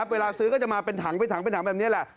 เวลาซื้อก็จะมาเป็นถังเป็นถังเป็นถังแบบนี้แหละ